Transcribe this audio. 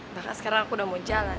bahkan sekarang aku udah mau jalan